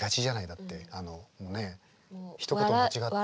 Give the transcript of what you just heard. だってねっひと言間違ったら。